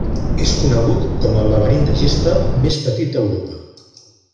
És conegut com el laberint de gespa més petit d'Europa.